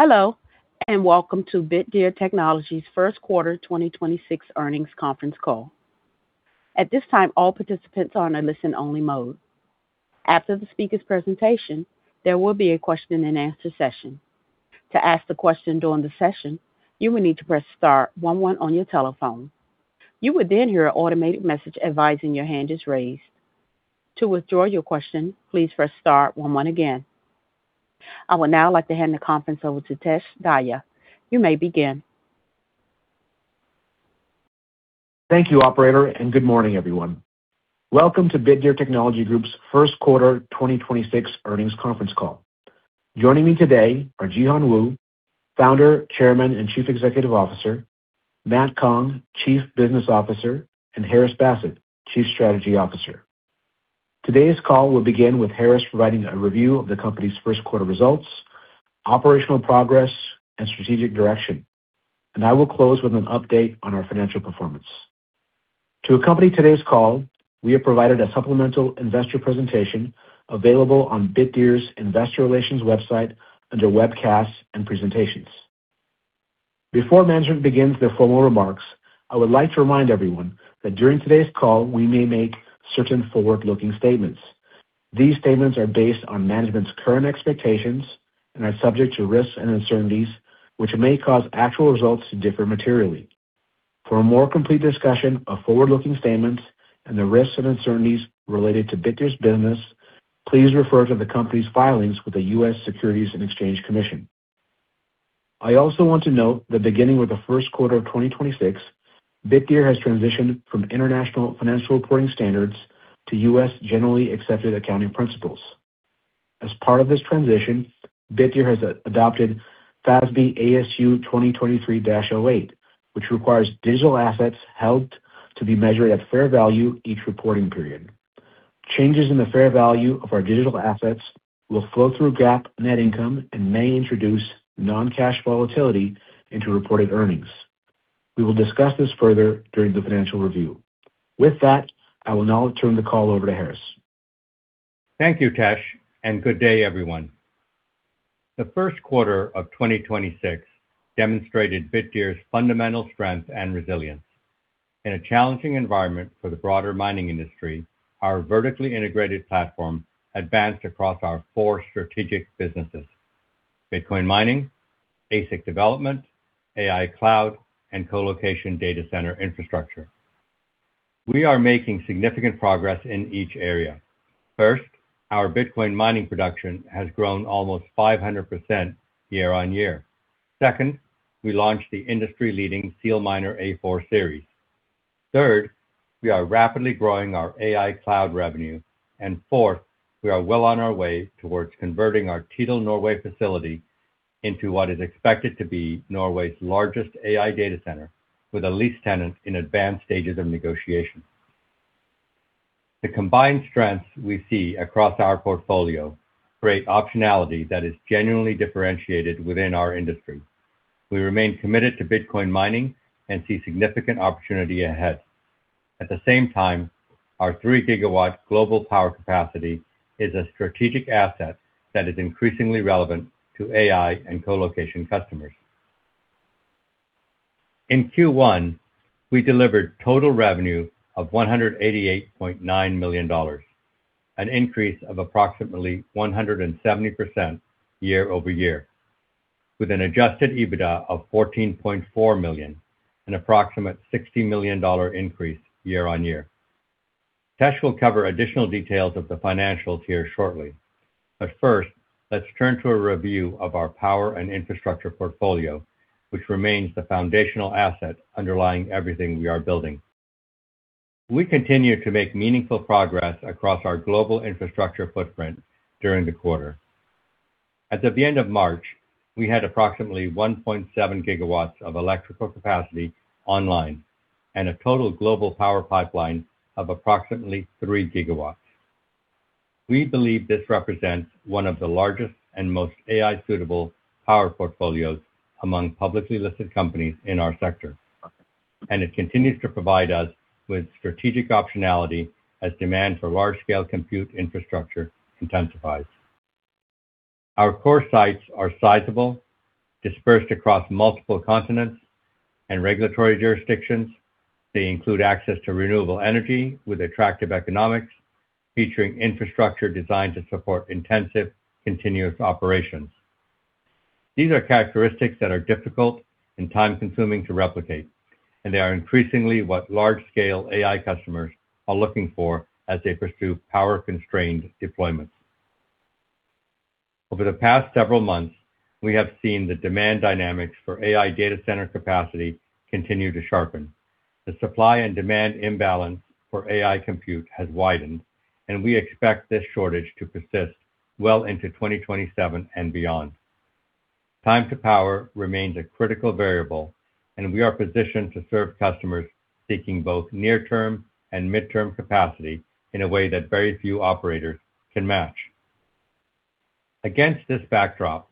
Hello, and welcome to Bitdeer Technologies first quarter 2026 earnings conference call. At this time, all participants are in listen-only mode. After the speaker's presentation, there will be a question and answer session. To ask a question during the session, you will need to please press star one one on your telephone. You will then hear an automated message advising your hand is raised. To withdraw your question, please press star one one again. I would now like to hand the conference over to Tesh Dahya. You may begin. Thank you, operator, and good morning, everyone. Welcome to Bitdeer Technologies Group's 1st quarter 2026 earnings conference call. Joining me today are Jihan Wu, founder, chairman, and chief executive officer, Linghui Kong, chief business officer, and Haris Basit, chief strategy officer. Today's call will begin with Haris providing a review of the company's first quarter results, operational progress, and strategic direction. I will close with an update on our financial performance. To accompany today's call, we have provided a supplemental investor presentation available on Bitdeer's investor relations website under Webcasts and Presentations. Before management begins their formal remarks, I would like to remind everyone that during today's call, we may make certain forward-looking statements. These statements are based on management's current expectations and are subject to risks and uncertainties, which may cause actual results to differ materially. For a more complete discussion of forward-looking statements and the risks and uncertainties related to Bitdeer's business, please refer to the company's filings with the U.S. Securities and Exchange Commission. I also want to note that beginning with the first quarter of 2026, Bitdeer has transitioned from international financial reporting standards to U.S. generally accepted accounting principles. As part of this transition, Bitdeer has adopted FASB ASU 2023-08, which requires digital assets held to be measured at fair value each reporting period. Changes in the fair value of our digital assets will flow through GAAP net income and may introduce non-cash volatility into reported earnings. We will discuss this further during the financial review. With that, I will now turn the call over to Haris. Thank you, Tesh, and good day, everyone. The first quarter of 2026 demonstrated Bitdeer's fundamental strength and resilience. In a challenging environment for the broader mining industry, our vertically integrated platform advanced across our four strategic businesses, Bitcoin mining, ASIC development, AI cloud, and colocation data center infrastructure. We are making significant progress in each area. First, our Bitcoin mining production has grown almost 500% year-on-year. Second, we launched the industry-leading SEALMINER A4 series. Third, we are rapidly growing our AI cloud revenue. Fourth, we are well on our way towards converting our Tydal, Norway facility into what is expected to be Norway's largest AI data center with a lease tenant in advanced stages of negotiation. The combined strengths we see across our portfolio create optionality that is genuinely differentiated within our industry. We remain committed to Bitcoin mining and see significant opportunity ahead. At the same time, our 3 GW global power capacity is a strategic asset that is increasingly relevant to AI and colocation customers. In Q1, we delivered total revenue of $188.9 million, an increase of approximately 170% year-over-year, with an Adjusted EBITDA of $14.4 million, an approximate $60 million increase year-on-year. Tesh will cover additional details of the financials here shortly. First, let's turn to a review of our power and infrastructure portfolio, which remains the foundational asset underlying everything we are building. We continue to make meaningful progress across our global infrastructure footprint during the quarter. As of the end of March, we had approximately 1.7 GW of electrical capacity online and a total global power pipeline of approximately 3 GW. We believe this represents one of the largest and most AI-suitable power portfolios among publicly listed companies in our sector, and it continues to provide us with strategic optionality as demand for large-scale compute infrastructure intensifies. Our core sites are sizable, dispersed across multiple continents and regulatory jurisdictions. They include access to renewable energy with attractive economics, featuring infrastructure designed to support intensive continuous operations. These are characteristics that are difficult and time-consuming to replicate, and they are increasingly what large-scale AI customers are looking for as they pursue power-constrained deployments. Over the past several months, we have seen the demand dynamics for AI data center capacity continue to sharpen. The supply and demand imbalance for AI compute has widened, and we expect this shortage to persist well into 2027 and beyond. Time to power remains a critical variable, and we are positioned to serve customers seeking both near-term and midterm capacity in a way that very few operators can match. Against this backdrop,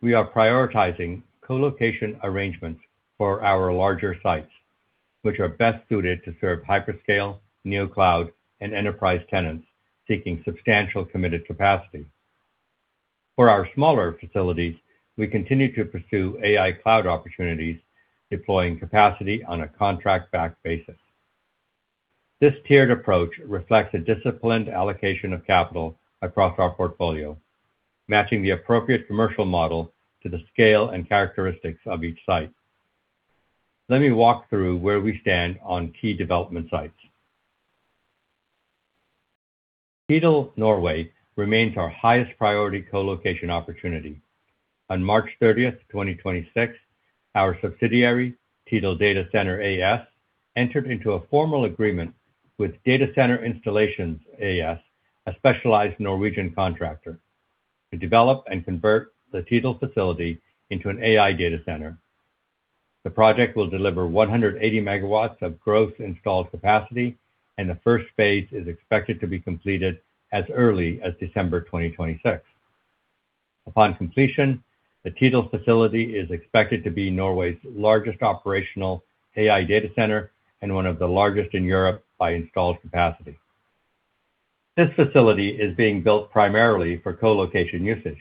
we are prioritizing colocation arrangements for our larger sites, which are best suited to serve hyperscale, neocloud, and enterprise tenants seeking substantial committed capacity. For our smaller facilities, we continue to pursue AI cloud opportunities, deploying capacity on a contract-backed basis. This tiered approach reflects a disciplined allocation of capital across our portfolio, matching the appropriate commercial model to the scale and characteristics of each site. Let me walk through where we stand on key development sites. Tydal Norway remains our highest priority colocation opportunity. On March 30, 2026, our subsidiary, Tydal Data Center AS, entered into a formal agreement with Data Center Installations AS, a specialized Norwegian contractor, to develop and convert the Tydal facility into an AI data center. The project will deliver 180 MW of gross installed capacity, and the first phase is expected to be completed as early as December 2026. Upon completion, the Tydal facility is expected to be Norway's largest operational AI data center and one of the largest in Europe by installed capacity. This facility is being built primarily for co-location usage.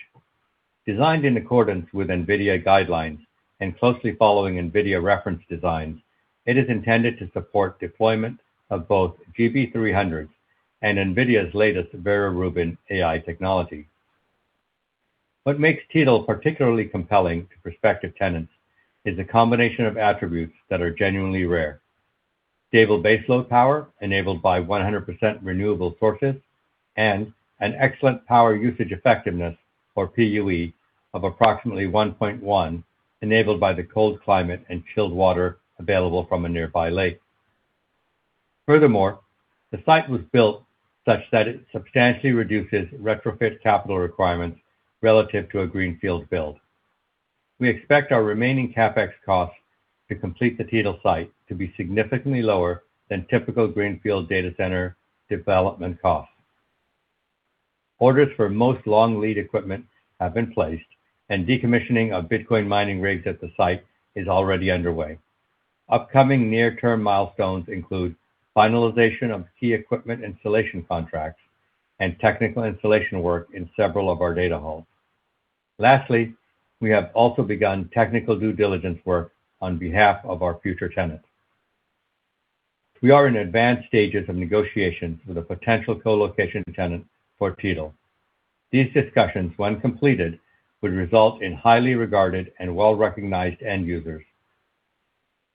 Designed in accordance with NVIDIA guidelines and closely following NVIDIA reference designs, it is intended to support deployment of both GB300 and NVIDIA's latest Vera Rubin AI technology. What makes Tydal particularly compelling to prospective tenants is a combination of attributes that are genuinely rare. Stable baseload power enabled by 100% renewable sources and an excellent power usage effectiveness, or PUE, of approximately 1.1, enabled by the cold climate and chilled water available from a nearby lake. The site was built such that it substantially reduces retrofit capital requirements relative to a greenfield build. We expect our remaining CapEx costs to complete the Tydal site to be significantly lower than typical greenfield data center development costs. Orders for most long lead equipment have been placed, and decommissioning of Bitcoin mining rigs at the site is already underway. Upcoming near-term milestones include finalization of key equipment installation contracts and technical installation work in several of our data halls. We have also begun technical due diligence work on behalf of our future tenants. We are in advanced stages of negotiations with a potential co-location tenant for Tydal. These discussions, when completed, would result in highly regarded and well-recognized end users.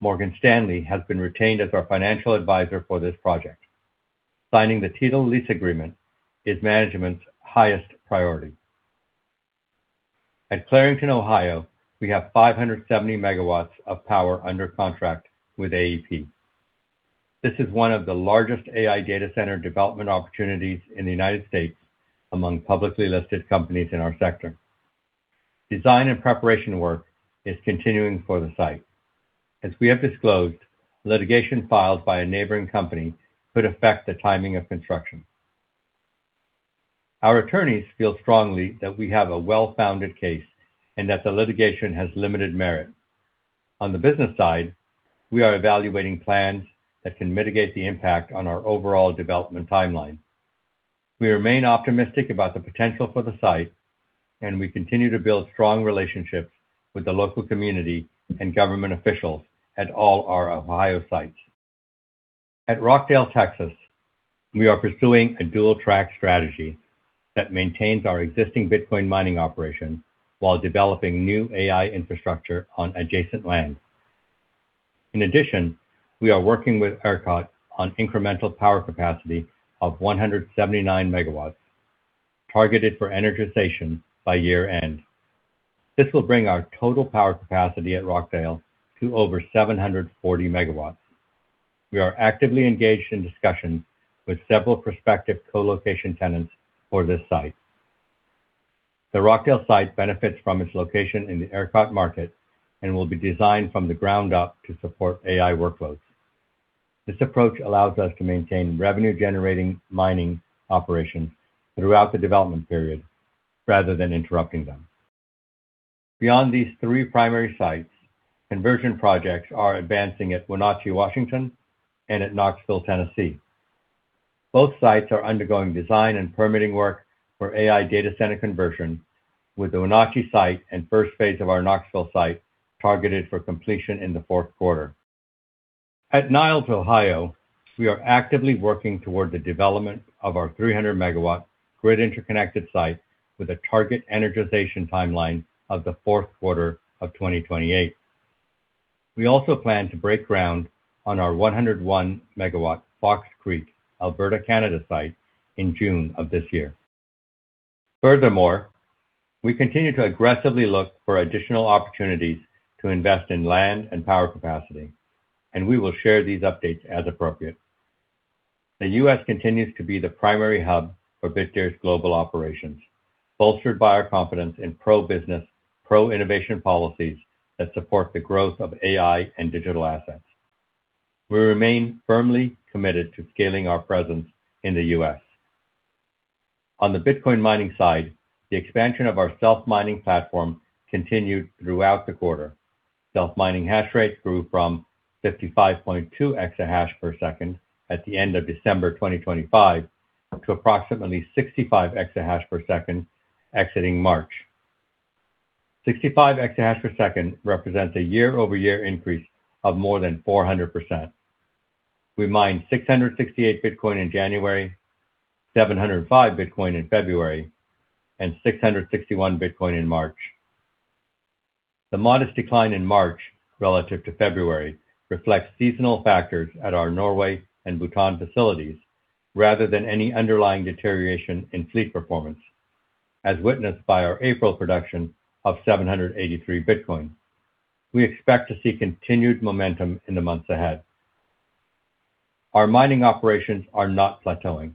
Morgan Stanley has been retained as our financial advisor for this project. Signing the Tydal lease agreement is management's highest priority. At Clarington, Ohio, we have 570 MW of power under contract with AEP. This is one of the largest AI data center development opportunities in the United States among publicly listed companies in our sector. Design and preparation work is continuing for the site. As we have disclosed, litigation filed by a neighboring company could affect the timing of construction. Our attorneys feel strongly that we have a well-founded case and that the litigation has limited merit. On the business side, we are evaluating plans that can mitigate the impact on our overall development timeline. We remain optimistic about the potential for the site, and we continue to build strong relationships with the local community and government officials at all our Ohio sites. At Rockdale, Texas, we are pursuing a dual-track strategy that maintains our existing Bitcoin mining operation while developing new AI infrastructure on adjacent land. In addition, we are working with ERCOT on incremental power capacity of 179 MW targeted for energization by year-end. This will bring our total power capacity at Rockdale to over 740 MW. We are actively engaged in discussions with several prospective co-location tenants for this site. The Rockdale site benefits from its location in the ERCOT market and will be designed from the ground up to support AI workloads. This approach allows us to maintain revenue-generating mining operations throughout the development period rather than interrupting them. Beyond these three primary sites, conversion projects are advancing at Wenatchee, Washington, and at Knoxville, Tennessee. Both sites are undergoing design and permitting work for AI data center conversion, with the Wenatchee site and first phase of our Knoxville site targeted for completion in the fourth quarter. At Niles, Ohio, we are actively working toward the development of our 300 MW grid interconnected site with a target energization timeline of the fourth quarter of 2028. We also plan to break ground on our 101 MW Fox Creek, Alberta, Canada site in June of this year. Furthermore, we continue to aggressively look for additional opportunities to invest in land and power capacity, and we will share these updates as appropriate. The U.S. continues to be the primary hub for Bitdeer's global operations, bolstered by our confidence in pro-business, pro-innovation policies that support the growth of AI and digital assets. We remain firmly committed to scaling our presence in the U.S. On the Bitcoin mining side, the expansion of our self-mining platform continued throughout the quarter. Self-mining hash rate grew from 55.2 EH/s at the end of December 2025 to approximately 65 EH/s exiting March. 65 EH/s represents a year-over-year increase of more than 400%. We mined 668 Bitcoin in January, 705 Bitcoin in February, and 661 Bitcoin in March. The modest decline in March relative to February reflects seasonal factors at our Norway and Bhutan facilities rather than any underlying deterioration in fleet performance, as witnessed by our April production of 783 Bitcoin. We expect to see continued momentum in the months ahead. Our mining operations are not plateauing.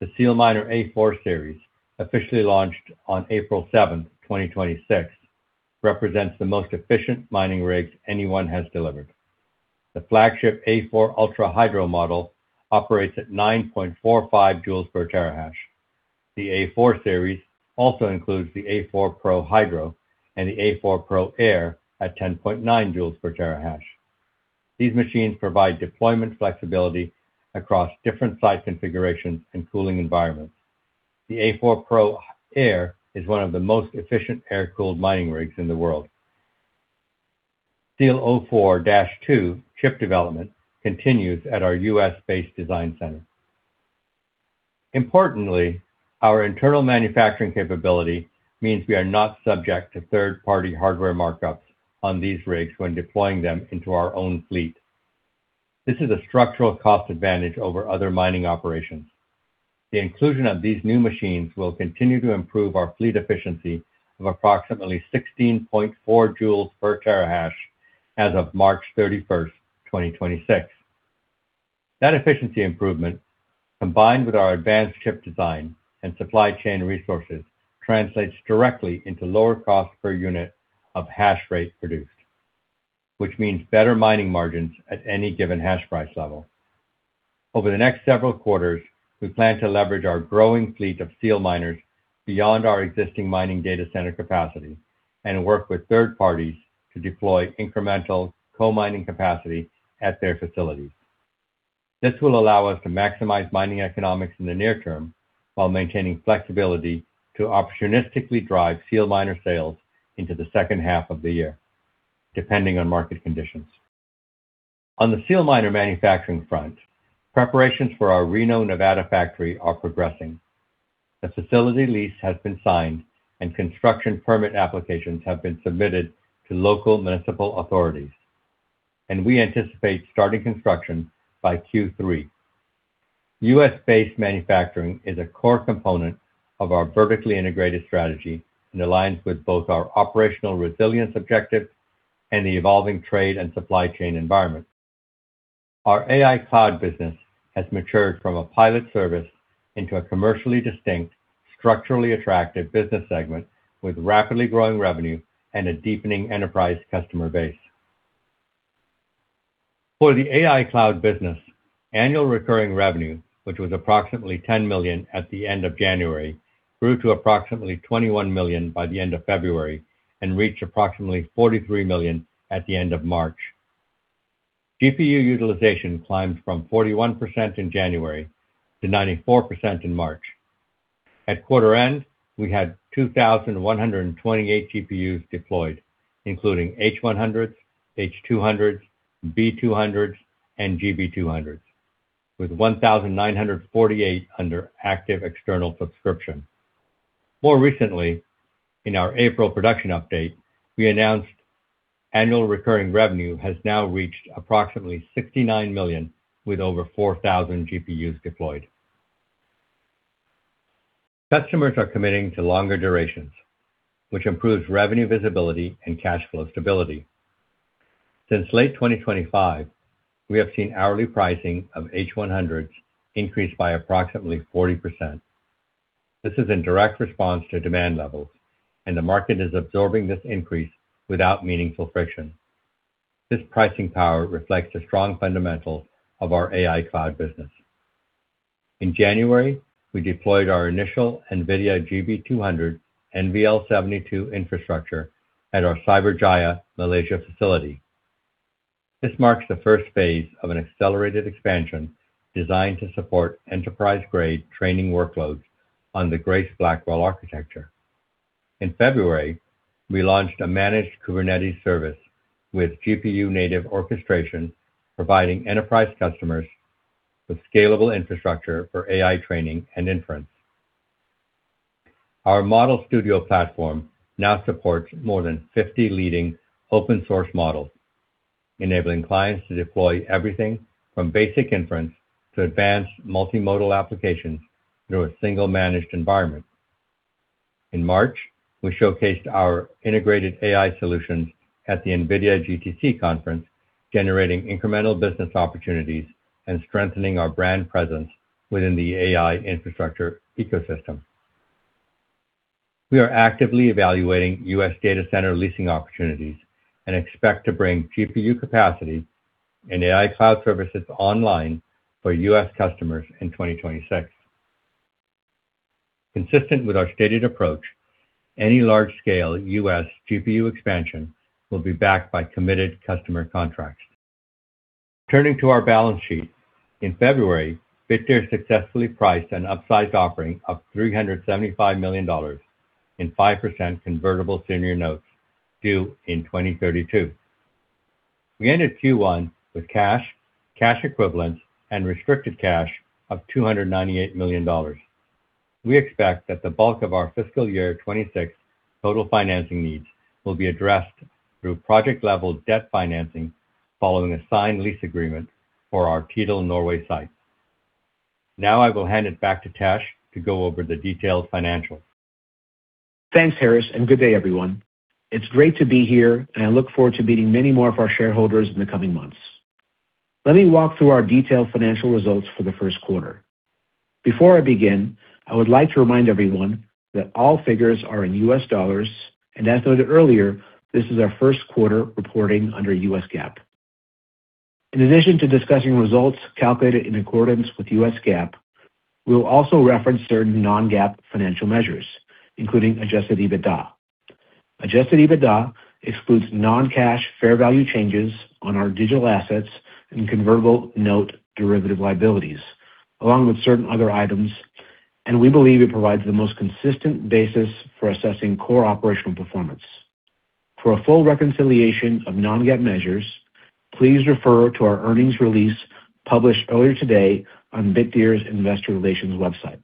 The SEALMINER A4 series, officially launched on April 7, 2026, represents the most efficient mining rigs anyone has delivered. The flagship A4 Ultra Hydro model operates at 9.45 J/TH. The A4 series also includes the A4 Pro Hydro and the A4 Pro Air at 10.9 J/TH. These machines provide deployment flexibility across different site configurations and cooling environments. The A4 Pro Air is one of the most efficient air-cooled mining rigs in the world. SEAL04-2 chip development continues at our U.S.-based design center. Importantly, our internal manufacturing capability means we are not subject to third-party hardware markups on these rigs when deploying them into our own fleet. This is a structural cost advantage over other mining operations. The inclusion of these new machines will continue to improve our fleet efficiency of approximately 16.4 J/TH as of March 31st, 2026. That efficiency improvement, combined with our advanced chip design and supply chain resources, translates directly into lower cost per unit of hash rate produced, which means better mining margins at any given hash price level. Over the next several quarters, we plan to leverage our growing fleet of SEALMINERs beyond our existing mining data center capacity and work with third parties to deploy incremental co-mining capacity at their facilities. This will allow us to maximize mining economics in the near term while maintaining flexibility to opportunistically drive SEALMINER sales into the second half of the year, depending on market conditions. On the SEALMINER manufacturing front, preparations for our Reno, Nevada factory are progressing. The facility lease has been signed, and construction permit applications have been submitted to local municipal authorities, and we anticipate starting construction by Q3. U.S.-based manufacturing is a core component of our vertically integrated strategy and aligns with both our operational resilience objective and the evolving trade and supply chain environment. Our AI Cloud business has matured from a pilot service into a commercially distinct, structurally attractive business segment with rapidly growing revenue and a deepening enterprise customer base. For the AI Cloud business, annual recurring revenue, which was approximately $10 million at the end of January, grew to approximately $21 million by the end of February and reached approximately $43 million at the end of March. GPU utilization climbed from 41% in January to 94% in March. At quarter end, we had 2,128 GPUs deployed, including H100s, H200s, B200s, and GB200s, with 1,948 under active external subscription. More recently, in our April production update, we announced annual recurring revenue has now reached approximately $69 million, with over 4,000 GPUs deployed. Customers are committing to longer durations, which improves revenue visibility and cash flow stability. Since late 2025, we have seen hourly pricing of H100s increase by approximately 40%. This is in direct response to demand levels, and the market is absorbing this increase without meaningful friction. This pricing power reflects the strong fundamentals of our AI Cloud business. In January, we deployed our initial NVIDIA GB200 NVL72 infrastructure at our Cyberjaya, Malaysia facility. This marks the first phase of an accelerated expansion designed to support enterprise-grade training workloads on the Grace Blackwell architecture. In February, we launched a managed Kubernetes service with GPU-native orchestration, providing enterprise customers with scalable infrastructure for AI training and inference. Our Model Studio platform now supports more than 50 leading open-source models, enabling clients to deploy everything from basic inference to advanced multimodal applications through a single managed environment. In March, we showcased our integrated AI solutions at the NVIDIA GTC conference, generating incremental business opportunities and strengthening our brand presence within the AI infrastructure ecosystem. We are actively evaluating U.S. data center leasing opportunities and expect to bring GPU capacity and AI cloud services online for U.S. customers in 2026. Consistent with our stated approach, any large-scale U.S. GPU expansion will be backed by committed customer contracts. Turning to our balance sheet, in February, Bitdeer successfully priced an upsized offering of $375 million in 5% convertible senior notes due in 2032. We ended Q1 with cash equivalents, and restricted cash of $298 million. We expect that the bulk of our fiscal year 2026 total financing needs will be addressed through project-level debt financing following a signed lease agreement for our Tydal Norway site. Now I will hand it back to Tesh to go over the detailed financials. Thanks, Haris, and good day, everyone. It's great to be here, and I look forward to meeting many more of our shareholders in the coming months. Let me walk through our detailed financial results for the first quarter. Before I begin, I would like to remind everyone that all figures are in US dollars, and as noted earlier, this is our first quarter reporting under U.S. GAAP. In addition to discussing results calculated in accordance with U.S. GAAP, we will also reference certain non-GAAP financial measures, including Adjusted EBITDA. Adjusted EBITDA excludes non-cash fair value changes on our digital assets and convertible note derivative liabilities, along with certain other items, and we believe it provides the most consistent basis for assessing core operational performance. For a full reconciliation of non-GAAP measures, please refer to our earnings release published earlier today on Bitdeer's investor relations website.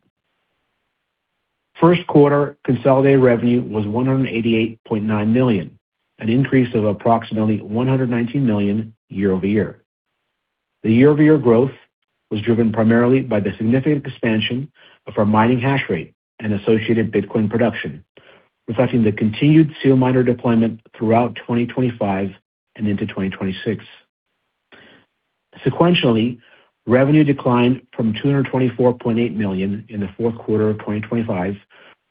First quarter consolidated revenue was $188.9 million, an increase of approximately $119 million year-over-year. The year-over-year growth was driven primarily by the significant expansion of our mining hash rate and associated Bitcoin production, reflecting the continued SEALMINER deployment throughout 2025 and into 2026. Sequentially, revenue declined from $224.8 million in the fourth quarter of 2025,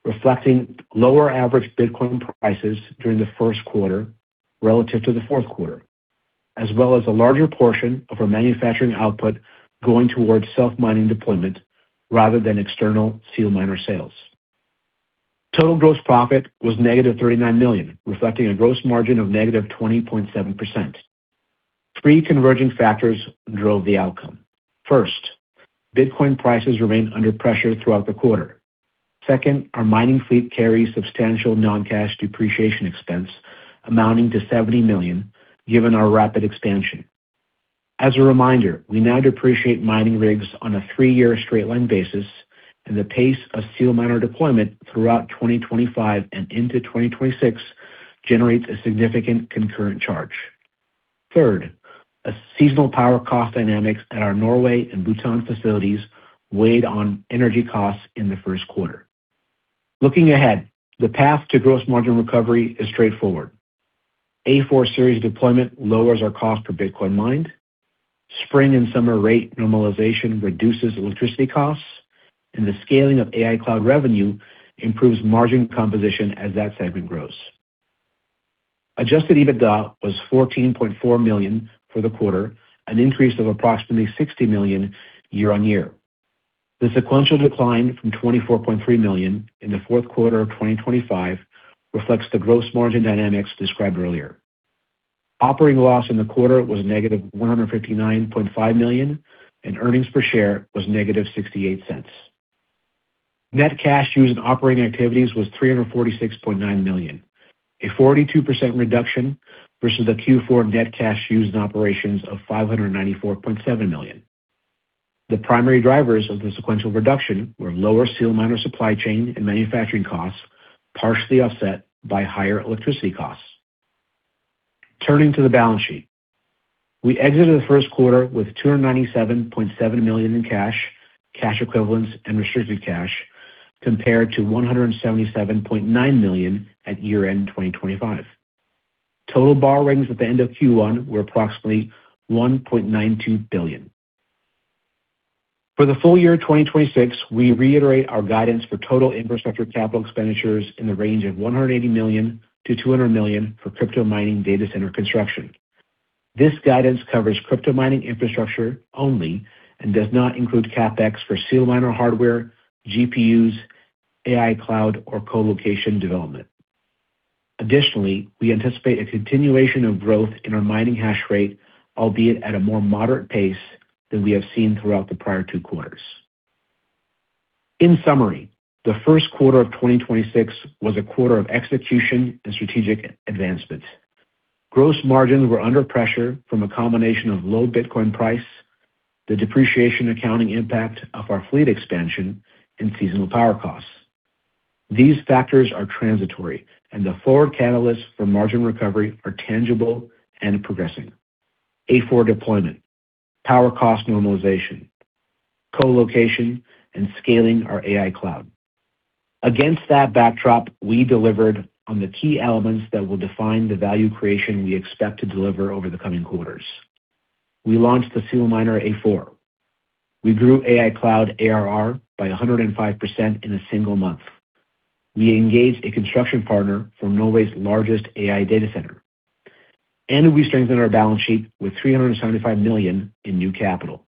reflecting lower average Bitcoin prices during the first quarter relative to the fourth quarter, as well as a larger portion of our manufacturing output going towards self-mining deployment rather than external SEALMINER sales. Total gross profit was -$39 million, reflecting a gross margin of -20.7%. Three converging factors drove the outcome. First, Bitcoin prices remained under pressure throughout the quarter. Second, our mining fleet carries substantial non-cash depreciation expense amounting to $70 million, given our rapid expansion. As a reminder, we now depreciate mining rigs on a three-year straight line basis, and the pace of SEALMINER deployment throughout 2025 and into 2026 generates a significant concurrent charge. Third, a seasonal power cost dynamics at our Norway and Bhutan facilities weighed on energy costs in the first quarter. Looking ahead, the path to gross margin recovery is straightforward. A4 series deployment lowers our cost per Bitcoin mined. Spring and summer rate normalization reduces electricity costs. The scaling of AI cloud revenue improves margin composition as that segment grows. Adjusted EBITDA was $14.4 million for the quarter, an increase of approximately $60 million year-on-year. The sequential decline from $24.3 million in the fourth quarter of 2025 reflects the gross margin dynamics described earlier. Operating loss in the quarter was -$159.5 million, and earnings per share was -$0.68. Net cash used in operating activities was $346.9 million, a 42% reduction versus the Q4 net cash used in operations of $594.7 million. The primary drivers of the sequential reduction were lower SEALMINER supply chain and manufacturing costs, partially offset by higher electricity costs. Turning to the balance sheet. We exited the first quarter with $297.7 million in cash equivalents and restricted cash compared to $177.9 million at year-end 2025. Total borrowings at the end of Q1 were approximately $1.92 billion. For the full year 2026, we reiterate our guidance for total infrastructure capital expenditures in the range of $180 million-$200 million for crypto mining data center construction. This guidance covers crypto mining infrastructure only and does not include CapEx for SEALMINER hardware, GPUs, AI cloud, or colocation development. Additionally, we anticipate a continuation of growth in our mining hash rate, albeit at a more moderate pace than we have seen throughout the prior two quarters. In summary, the first quarter of 2026 was a quarter of execution and strategic advancement. Gross margins were under pressure from a combination of low Bitcoin price, the depreciation accounting impact of our fleet expansion, and seasonal power costs. These factors are transitory, the forward catalysts for margin recovery are tangible and progressing. A4 deployment, power cost normalization, colocation, and scaling our AI cloud. Against that backdrop, we delivered on the key elements that will define the value creation we expect to deliver over the coming quarters. We launched the SEALMINER A4. We grew AI cloud ARR by 105% in a single month. We engaged a construction partner for Norway's largest AI data center. We strengthened our balance sheet with $375 million in new capital.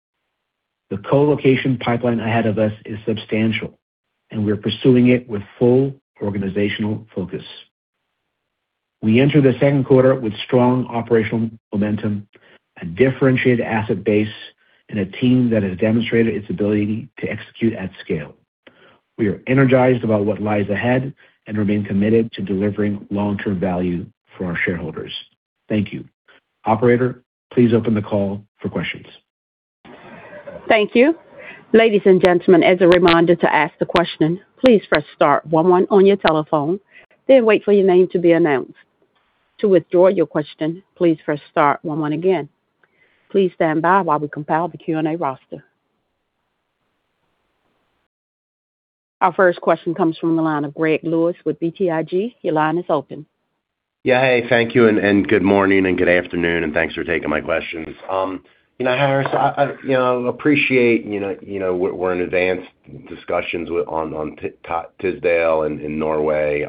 The co-location pipeline ahead of us is substantial. We're pursuing it with full organizational focus. We enter the second quarter with strong operational momentum, a differentiated asset base, and a team that has demonstrated its ability to execute at scale. We are energized about what lies ahead and remain committed to delivering long-term value for our shareholders. Thank you. Operator, please open the call for questions. Thank you. Ladies and gentlemen, as a reminder to ask the question, please press star one one on your telephone, then wait for your name to be announced. To withdraw your question, please press star one one again. Please stand by while we compile the Q&A roster. Our first question comes from the line of Gregory Lewis with BTIG. Your line is open. Yeah. Hey, thank you, and good morning and good afternoon, and thanks for taking my questions. You know, Haris, I, you know, appreciate, you know, we're in advanced discussions with on Tydal in Norway.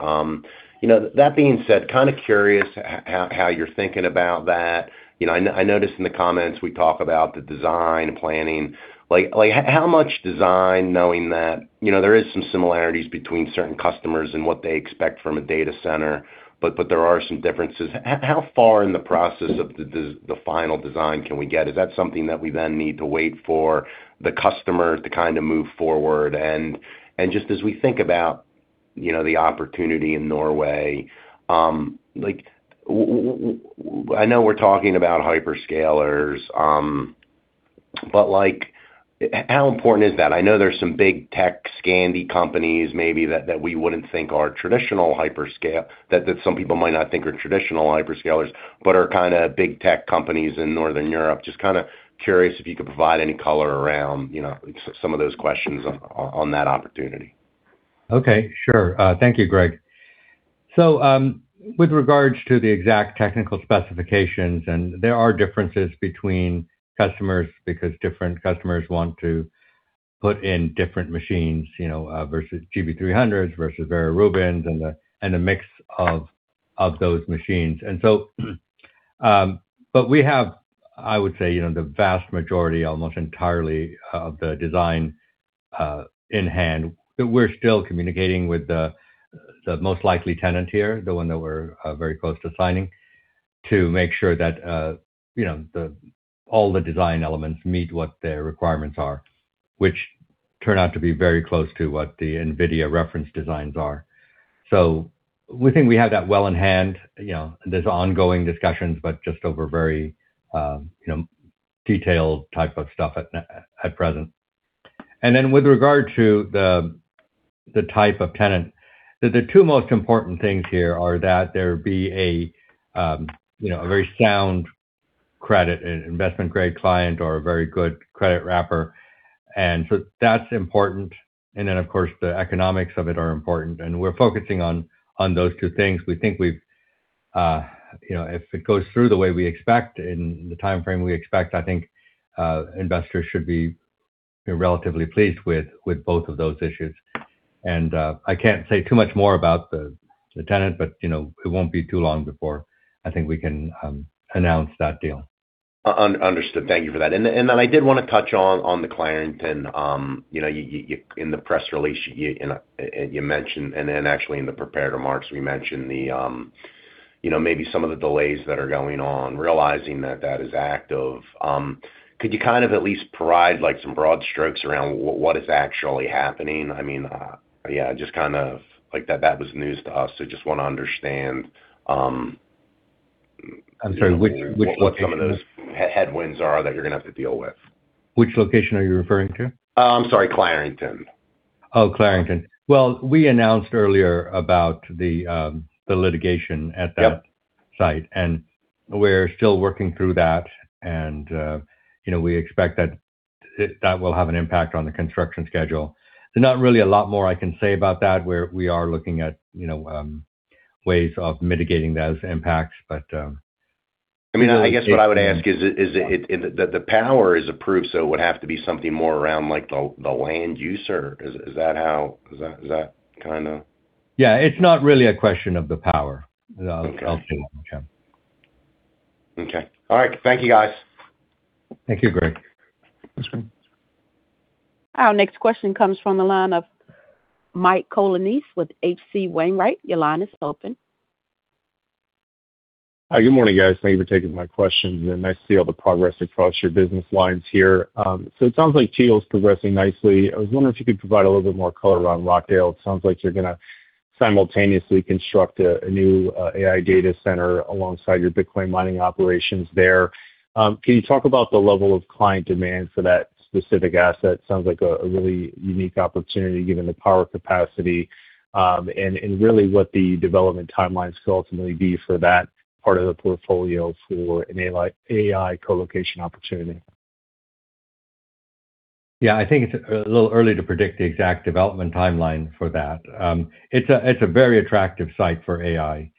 You know, that being said, kind of curious how you're thinking about that. You know, I noticed in the comments we talk about the design and planning. Like how much design knowing that, you know, there is some similarities between certain customers and what they expect from a data center, but there are some differences. How far in the process of the final design can we get? Is that something that we then need to wait for the customers to kind of move forward? Just as we think about, you know, the opportunity in Norway, like, I know we're talking about hyperscalers, but, like, how important is that? I know there's some big tech Scandi companies maybe that we wouldn't think are traditional hyperscale that some people might not think are traditional hyperscalers but are kind of big tech companies in Northern Europe. Just kind of curious if you could provide any color around, you know, some of those questions on that opportunity. Okay. Sure. Thank you, Greg. With regards to the exact technical specifications, there are differences between customers because different customers want to put in different machines, you know, versus GB300s versus Vera Rubins and the mix of those machines. But we have, I would say, you know, the vast majority, almost entirely of the design in hand. We're still communicating with the most likely tenant here, the one that we're very close to signing, to make sure that, you know, all the design elements meet what their requirements are, which turn out to be very close to what the NVIDIA reference designs are. We think we have that well in hand. You know, there's ongoing discussions, but just over very, you know, detailed type of stuff at present. With regard to the type of tenant, the two most important things here are that there be a, you know, a very sound credit, an investment grade client or a very good credit wrapper. That's important. Of course, the economics of it are important, and we're focusing on those two things. We think we've, you know, if it goes through the way we expect in the timeframe we expect, I think investors should be relatively pleased with both of those issues. I can't say too much more about the tenant, but, you know, it won't be too long before I think we can announce that deal. Thank you for that. I did want to touch on the Clarington. You know, in the press release, you mentioned, actually in the prepared remarks, we mentioned, you know, maybe some of the delays that are going on, realizing that that is active. Could you kind of at least provide, like, some broad strokes around what is actually happening? I mean, yeah, just kind of like that was news to us, so we just want to understand. I'm sorry, which location? What some of those headwinds are that you're gonna have to deal with. Which location are you referring to? Oh, I'm sorry, Clarington. Oh, Clarington. Well, we announced earlier about the litigation. Yep. site, and we're still working through that. You know, we expect that that will have an impact on the construction schedule. There's not really a lot more I can say about that. We are looking at, you know, ways of mitigating those impacts. I mean, I guess what I would ask is, The power is approved, so it would have to be something more around, like, the land use or is that how Is that kind of? Yeah. It's not really a question of the power. Okay. I'll say. Yeah. Okay. All right. Thank you, guys. Thank you, Greg. Our next question comes from the line of Mike Colonnese with H.C. Wainwright. Your line is open. Hi. Good morning, guys. Thank you for taking my questions, and nice to see all the progress across your business lines here. So it sounds like Tydal's progressing nicely. I was wondering if you could provide a little bit more color around Rockdale. It sounds like you're gonna simultaneously construct a new AI data center alongside your Bitcoin mining operations there. Can you talk about the level of client demand for that specific asset? Sounds like a really unique opportunity given the power capacity, and really what the development timelines could ultimately be for that part of the portfolio for an AI co-location opportunity. Yeah. I think it's a little early to predict the exact development timeline for that. It's a very attractive site for AI.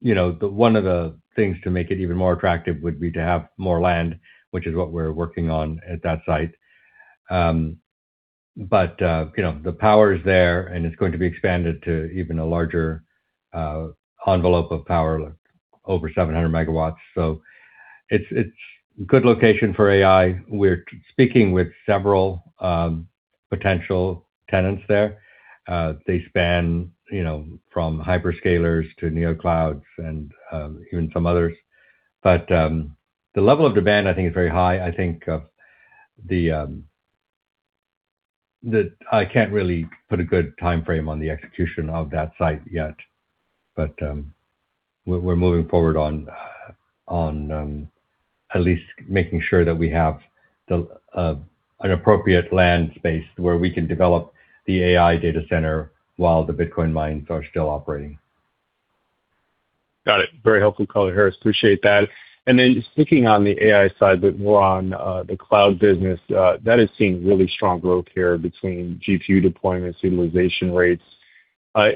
You know, one of the things to make it even more attractive would be to have more land, which is what we're working on at that site. You know, the power is there, and it's going to be expanded to even a larger envelope of power, over 700 MW. It's a good location for AI. We're speaking with several potential tenants there. They span, you know, from hyperscalers to neo clouds and even some others. The level of demand I think is very high. I think, I can't really put a good timeframe on the execution of that site yet. We're moving forward on at least making sure that we have an appropriate land space where we can develop the AI data center while the Bitcoin mines are still operating. Got it. Very helpful color, Haris. Appreciate that. Then sticking on the AI side, but more on the cloud business that is seeing really strong growth here between GPU deployment, utilization rates.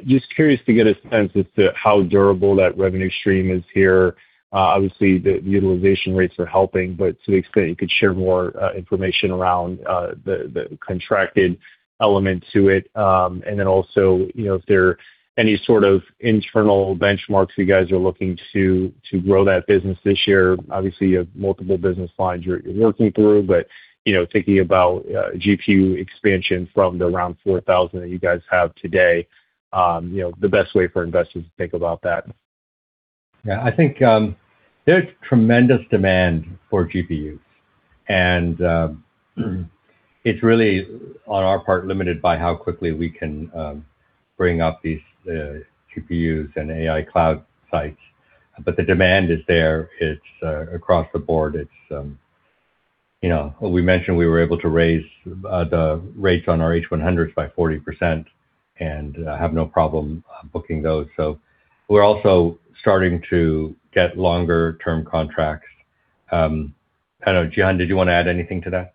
Just curious to get a sense as to how durable that revenue stream is here. Obviously the utilization rates are helping, but to the extent you could share more information around the contracted element to it. Then also, you know, if there are any sort of internal benchmarks you guys are looking to grow that business this year. Obviously you have multiple business lines you're working through, but, you know, thinking about GPU expansion from the around 4,000 that you guys have today, you know, the best way for investors to think about that. Yeah. I think, there's tremendous demand for GPUs and it's really on our part limited by how quickly we can bring up these GPUs and AI cloud sites. The demand is there. It's across the board. It's, you know, we mentioned we were able to raise the rates on our H100s by 40% and have no problem booking those. We're also starting to get longer term contracts. I don't know, Jihan, did you want to add anything to that?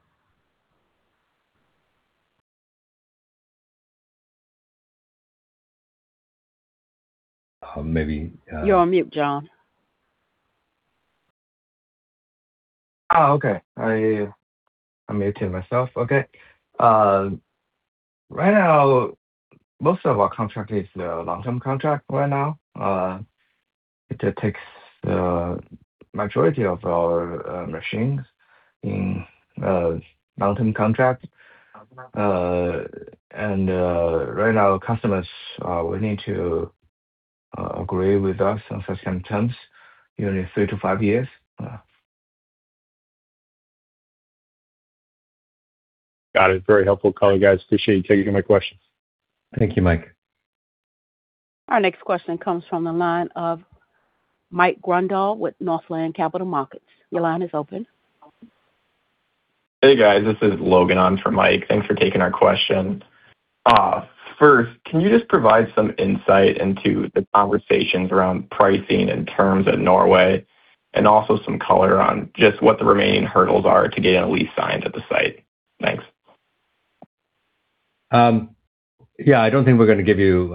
You're on mute, Jihan. Oh, okay. I unmuted myself. Okay. Right now most of our contract is long-term contract right now. It takes the majority of our machines in long-term contract. Right now customers will need to agree with us on certain terms, usually three to five years. Got it. Very helpful color, guys. Appreciate you taking my questions. Thank you, Mike. Our next question comes from the line of Mike Grondahl with Northland Capital Markets. Your line is open. Hey, guys, this is Logan on for Mike. Thanks for taking our question. First, can you just provide some insight into the conversations around pricing and terms at Norway and also some color on just what the remaining hurdles are to getting a lease signed at the site? Thanks. Yeah, I don't think we're gonna give you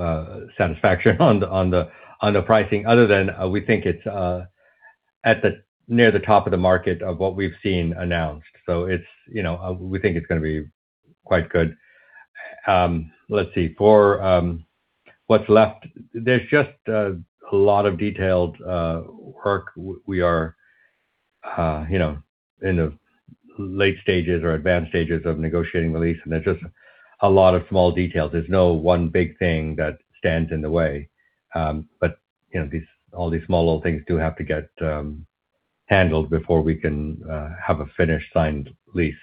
satisfaction on the, on the, on the pricing other than we think it's near the top of the market of what we've seen announced. It's, you know, we think it's gonna be quite good. Let's see. For what's left, there's just a lot of detailed work. We are, you know, in the late stages or advanced stages of negotiating the lease, and there's just a lot of small details. There's no one big thing that stands in the way. You know, these, all these small little things do have to get handled before we can have a finished signed lease.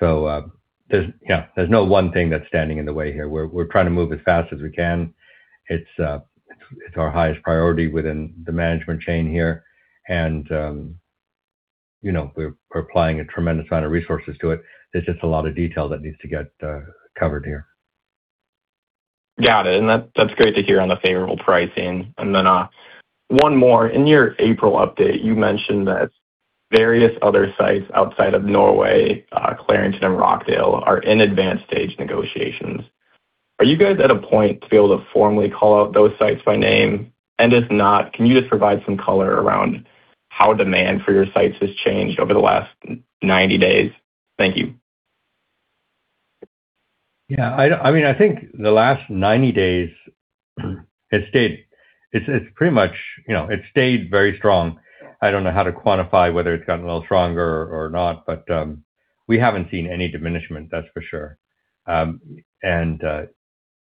There's, yeah, there's no one thing that's standing in the way here. We're trying to move as fast as we can. It's, it's our highest priority within the management chain here and, you know, we're applying a tremendous amount of resources to it. There's just a lot of detail that needs to get covered here. Got it. That, that's great to hear on the favorable pricing. Then, one more. In your April update, you mentioned that various other sites outside of Norway, Clarington and Rockdale are in advanced stage negotiations. Are you guys at a point to be able to formally call out those sites by name? If not, can you just provide some color around how demand for your sites has changed over the last 90 days? Thank you. Yeah, I think the last 90 days it stayed. It's pretty much, you know, it stayed very strong. I don't know how to quantify whether it's gotten a little stronger or not, but we haven't seen any diminishment, that's for sure.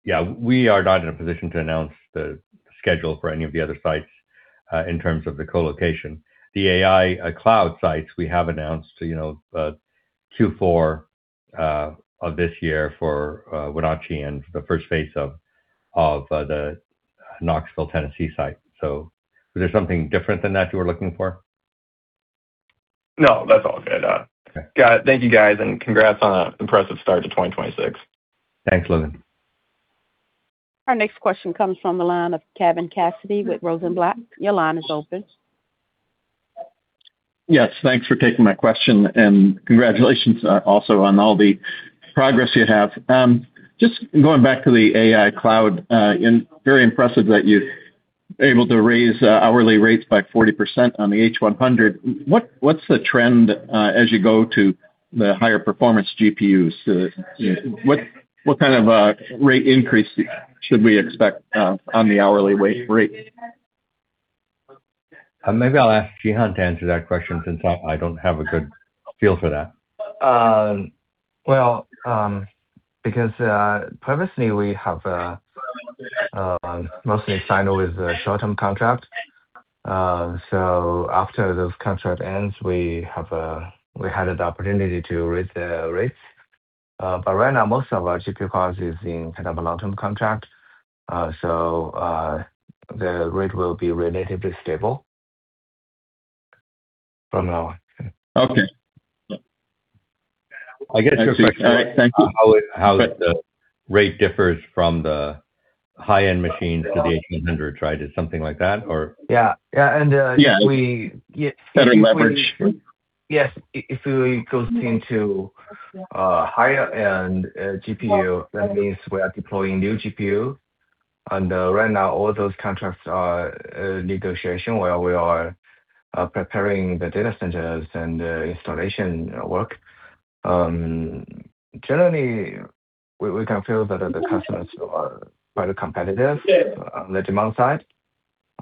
Yeah, we are not in a position to announce the schedule for any of the other sites in terms of the co-location. The AI cloud sites we have announced, you know, Q4 of this year for Wenatchee and the first phase of the Knoxville, Tennessee site. Was there something different than that you were looking for? No, that's all good. Okay. Got it. Thank you, guys, and congrats on an impressive start to 2026. Thanks, Logan. Our next question comes from the line of Kevin Cassidy with Rosenblatt. Your line is open. Yes. Thanks for taking my question, and congratulations, also on all the progress you have. Just going back to the AI cloud, and very impressive that you're able to raise hourly rates by 40% on the H100. What's the trend, as you go to the higher performance GPUs? You know, what kind of rate increase should we expect, on the hourly rate? Maybe I'll ask Jihan to answer that question since I don't have a good feel for that. Well, because previously we have mostly signed with a short-term contract. After the contract ends, we had an opportunity to raise the rates. Right now, most of our GPU cloud is in kind of a long-term contract. The rate will be relatively stable from now on. Yeah. Okay. I guess your question. I see. All right, thank you. How the rate differs from the high-end machines to the H100, right? Is it something like that or? Yeah. Yeah. Yeah. We, yeah, if we- Better leverage. Yes. If we goes into higher-end GPU, that means we are deploying new GPU. Right now, all those contracts are negotiation, where we are preparing the data centers and the installation work. Generally, we can feel that the customers are quite competitive on the demand side.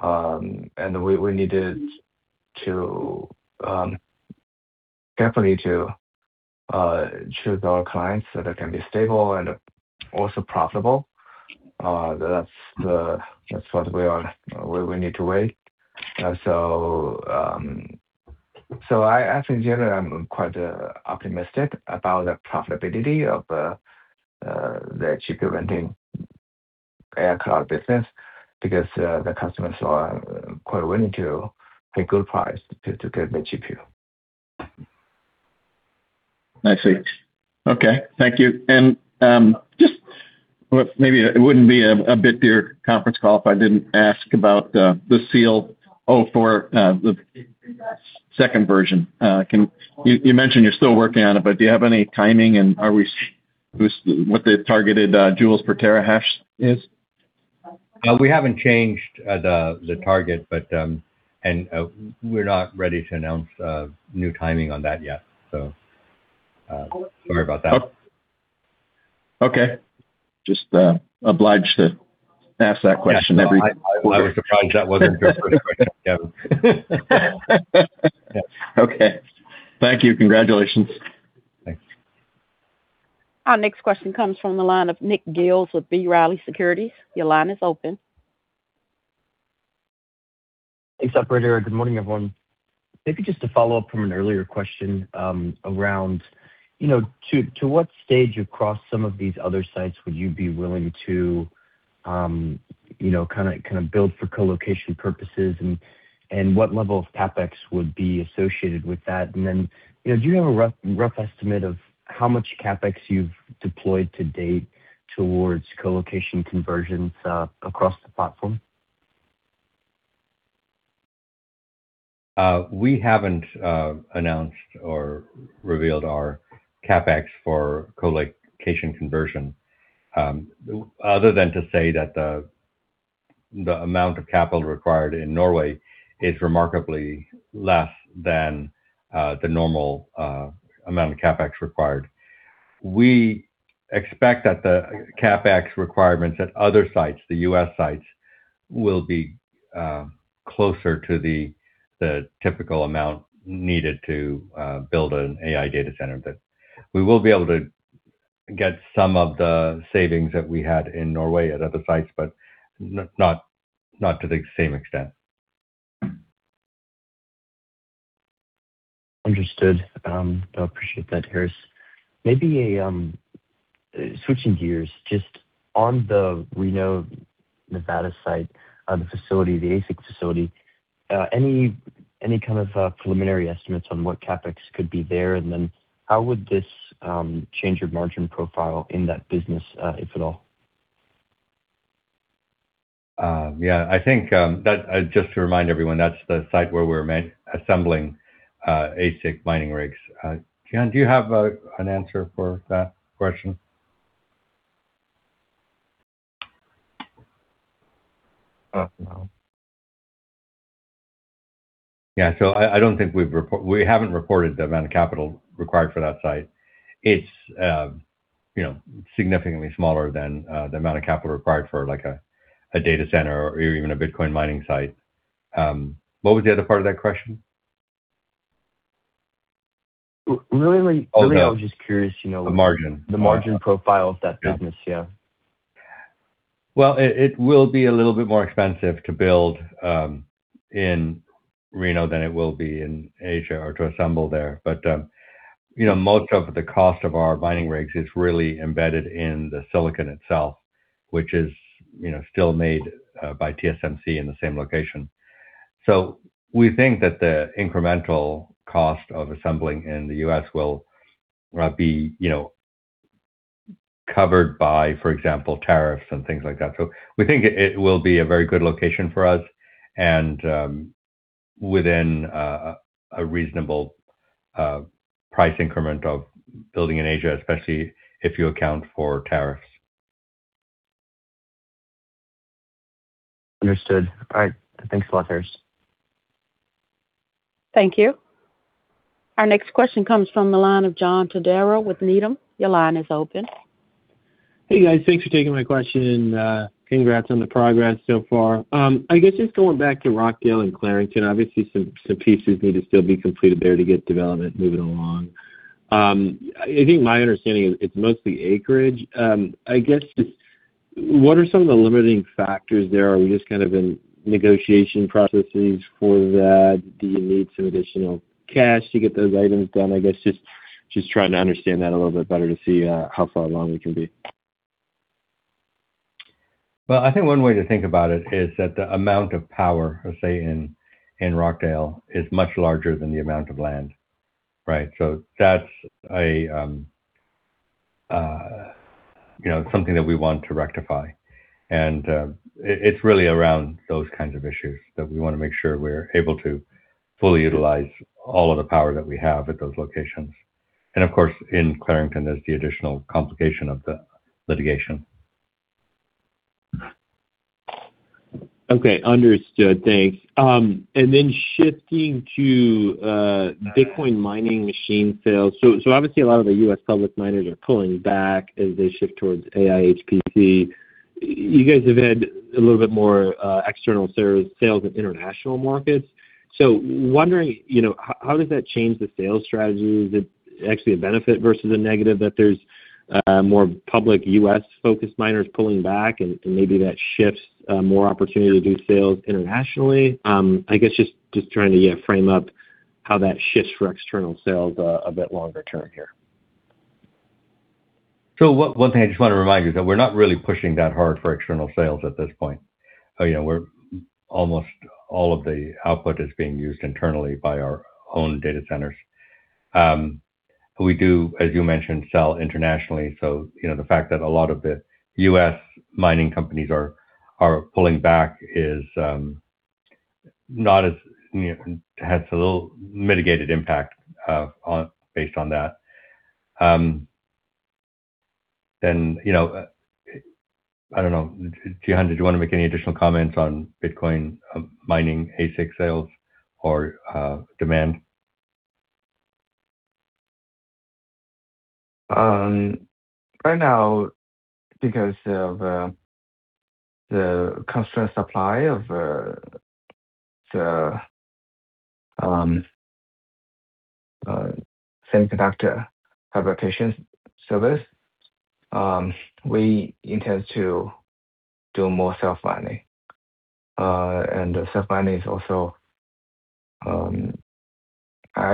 We needed to definitely choose our clients so that can be stable and also profitable. That's the, that's what we need to weigh. I actually generally I'm quite optimistic about the profitability of the GPU renting cloud business because the customers are quite willing to pay good price to get the GPU. I see. Okay. Thank you. Just maybe it wouldn't be a Bitdeer conference call if I didn't ask about the SEAL04, the second version. You mentioned you're still working on it, but do you have any timing and what the targeted joules per terahash is? We haven't changed the target, and we're not ready to announce new timing on that yet. Sorry about that. Okay. Just, obliged to ask that question every Yeah. No, I was surprised that wasn't the first question. Yeah. Okay. Thank you. Congratulations. Thanks. Our next question comes from the line of Nick Giles with B. Riley Securities. Your line is open. Thanks, operator. Good morning, everyone. Maybe just to follow up from an earlier question, around, you know, to what stage across some of these other sites would you be willing to, you know, build for co-location purposes, and what level of CapEx would be associated with that? You know, do you have a rough estimate of how much CapEx you've deployed to date towards co-location conversions across the platform? We haven't announced or revealed our CapEx for co-location conversion, other than to say that the amount of capital required in Norway is remarkably less than the normal amount of CapEx required. We expect that the CapEx requirements at other sites, the U.S. sites, will be closer to the typical amount needed to build an AI data center. We will be able to get some of the savings that we had in Norway at other sites, but not to the same extent. Understood. I appreciate that, Haris. Maybe a Switching gears, just on the Reno, Nevada site, the facility, the ASIC facility, any kind of preliminary estimates on what CapEx could be there? How would this change your margin profile in that business, if at all? Yeah. I think that just to remind everyone, that's the site where we're assembling ASIC mining rigs. Jihan, do you have an answer for that question? Not for now. Yeah. We haven't reported the amount of capital required for that site. It's, you know, significantly smaller than the amount of capital required for like a data center or even a Bitcoin mining site. What was the other part of that question? R-really- Oh, no. Really, I was just curious, you know. The margin The margin profile of that business. Yeah. Yeah. Well, it will be a little bit more expensive to build in Reno than it will be in Asia, or to assemble there. But, you know, most of the cost of our mining rigs is really embedded in the silicon itself, which is, you know, still made by TSMC in the same location. So we think that the incremental cost of assembling in the U.S. will be, you know, covered by, for example, tariffs and things like that. So we think it will be a very good location for us and, within a reasonable price increment of building in Asia, especially if you account for tariffs. Understood. All right. Thanks a lot, Haris. Thank you. Our next question comes from the line of John Todaro with Needham. Your line is open. Hey, guys. Thanks for taking my question. Congrats on the progress so far. I guess just going back to Rockdale and Clarington, obviously some pieces need to still be completed there to get development moving along. I think my understanding is it's mostly acreage. I guess just what are some of the limiting factors there? Are we just kind of in negotiation processes for that? Do you need some additional cash to get those items done? I guess just trying to understand that a little bit better to see how far along we can be. Well, I think one way to think about it is that the amount of power, let's say in Rockdale, is much larger than the amount of land, right? That's a, you know, something that we want to rectify. It's really around those kinds of issues that we wanna make sure we're able to fully utilize all of the power that we have at those locations. Of course, in Clarington, there's the additional complication of the litigation. Okay. Understood. Thanks. Then shifting to Bitcoin mining machine sales. Obviously a lot of the U.S. public miners are pulling back as they shift towards AI HPC. You guys have had a little bit more external sales in international markets. Wondering, you know, how does that change the sales strategy? Is it actually a benefit versus a negative that there's more public U.S.-focused miners pulling back and maybe that shifts more opportunity to do sales internationally? I guess just trying to, yeah, frame up how that shifts for external sales a bit longer term here. One thing I just wanna remind you that we're not really pushing that hard for external sales at this point. You know, almost all of the output is being used internally by our own data centers. We do, as you mentioned, sell internationally. You know, the fact that a lot of the U.S. mining companies are pulling back is not as, you know, has a little mitigated impact based on that. You know, I don't know. Jihan, did you wanna make any additional comments on Bitcoin mining ASIC sales or demand? Right now, because of the constant supply of the semiconductor fabrication service, we intend to do more self-mining. Self-mining is also, I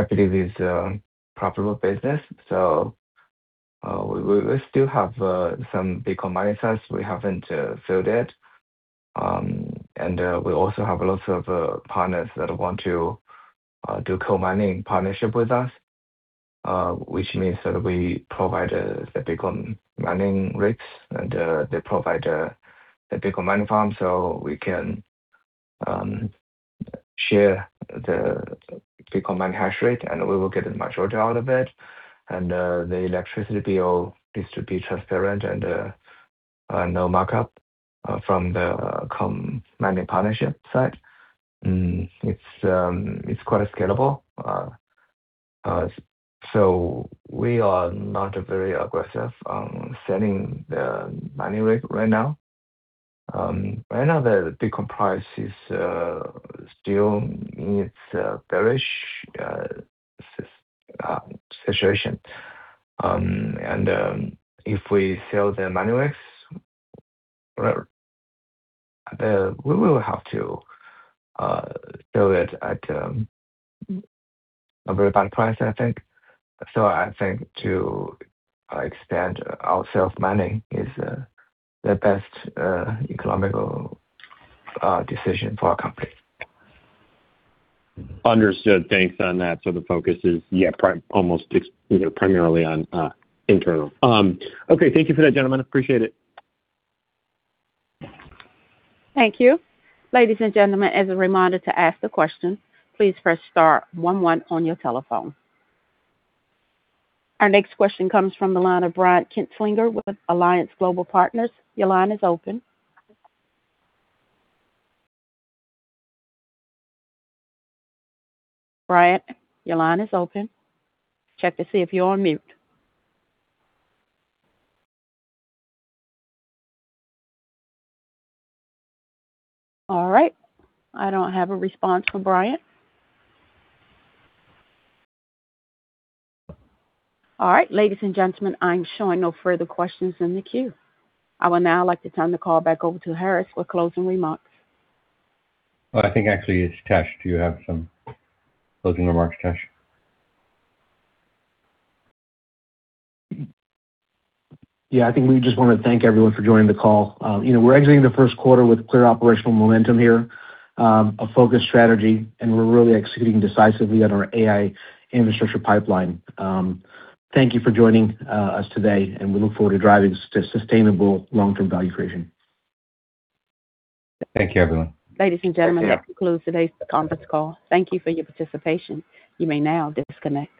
believe is a profitable business. We still have some Bitcoin mining sites we haven't sold yet. We also have lots of partners that want to do co-mining partnership with us, which means that we provide the Bitcoin mining rigs and they provide the Bitcoin mining farm so we can share the Bitcoin mining hash rate and we will get the majority out of it. The electricity bill is to be transparent and no markup from the mining partnership side. Mm. It's quite scalable. We are not very aggressive on selling the mining rig right now. Right now the Bitcoin price is still in its bearish situation. If we sell the mining rigs, we will have to sell it at a very bad price, I think. I think to expand our self-mining is the best economical decision for our company. Understood. Thanks on that. The focus is, yeah, you know, primarily on internal. Okay, thank you for that, gentlemen. Appreciate it. Thank you. Ladies and gentlemen, as a reminder to ask the question, please press star 11 on your telephone. Our next question comes from the line of Brian Kinstlinger with Alliance Global Partners. Your line is open. Brian, your line is open. Check to see if you're on mute. All right. I don't have a response from Brian. All right. Ladies and gentlemen, I'm showing no further questions in the queue. I would now like to turn the call back over to Haris for closing remarks. I think actually it's Tesh. Do you have some closing remarks, Tesh? Yeah. I think we just wanna thank everyone for joining the call. You know, we're exiting the first quarter with clear operational momentum here, a focused strategy, and we're really executing decisively on our AI infrastructure pipeline. Thank you for joining us today. We look forward to driving sustainable long-term value creation. Thank you, everyone. Ladies and gentlemen, that concludes today's conference call. Thank you for your participation. You may now disconnect.